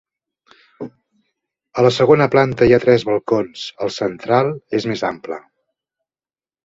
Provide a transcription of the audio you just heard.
A la segona planta hi ha tres balcons; el central és més ampla.